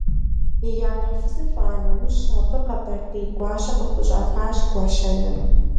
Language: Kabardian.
И япэ фызыр лӀа нэужь, абы къэбэрдей гуащэр къыхущӀахащ – Гуащэнэ.